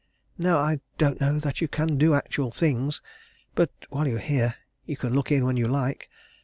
No I don't know that you can do actual things. But while you're here you can look in when you like.